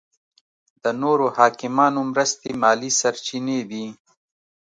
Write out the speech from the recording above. د نورو حاکمانو مرستې مالي سرچینې دي.